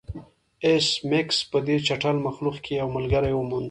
ایس میکس په دې چټل مخلوق کې یو ملګری وموند